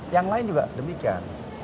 yang lain juga demikian